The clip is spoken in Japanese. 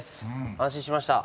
安心しました。